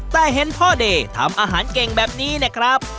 แต่เห็นพ่อเดย์ทำอาหารเก่งแบบนี้เนี่ยครับ